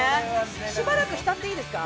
しばらく浸っていいですか。